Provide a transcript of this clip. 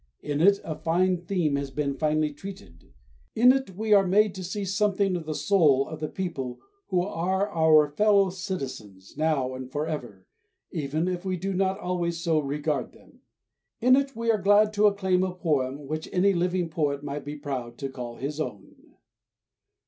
In it a fine theme has been finely treated. In it we are made to see something of the soul of the people who are our fellow citizens now and forever, even if we do not always so regard them. In it we are glad to acclaim a poem which any living poet might be proud to call his own.